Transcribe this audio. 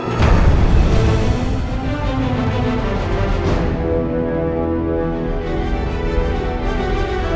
apa yang ada di sini